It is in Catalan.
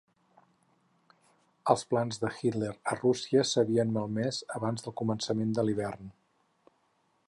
Els plans de Hitler a Rússia s'havien malmès abans del començament de l'hivern.